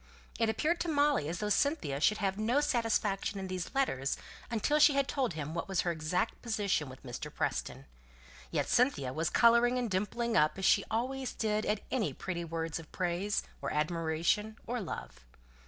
It appeared to Molly as though Cynthia should have no satisfaction in these letters, until she had told him what was her exact position with Mr. Preston; yet Cynthia was colouring and dimpling up as she always did at any pretty words of praise, or admiration, or love.